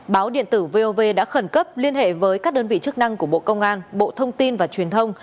báo điện tử vov đã khẩn cấp liên hệ với các đơn vị chức năng của bộ công an bộ thông tin và truyền thông